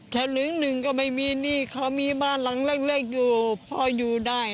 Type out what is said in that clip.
ถ้าเหลืองหนึ่งก็ไม่มีหนี้เขามีบ้านหลังเล็กอยู่พออยู่ได้